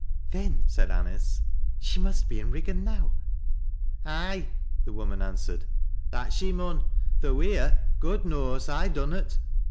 Then," said Anice, " she must be in Eiggan now." " Ay," the woman answered, " that she mun, though wheer, God knows, I dunnot.